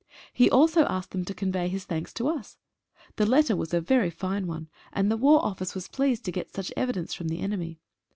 He also asked them to convey his thanks to us. The letter was a very fine one, and the War Office was pleased to get such evidence from the enemy.